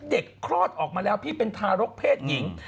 คลอดออกมาแล้วพี่เป็นทารกเพศหญิง